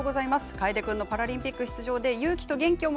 楓君のパラリンピック出場で勇気と元気をもらいました